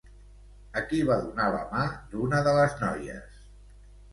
A qui va donar la mà d'una de les noies?